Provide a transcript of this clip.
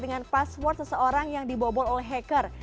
dengan password seseorang yang dibobol oleh hacker